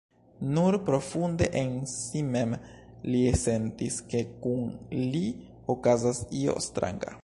Nur profunde en si mem li sentis, ke kun li okazas io stranga.